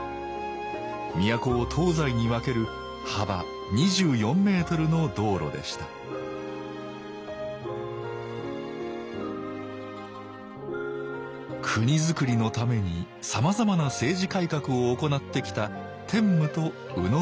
都を東西に分ける幅２４メートルの道路でした国づくりのためにさまざまな政治改革を行ってきた天武と野讃良。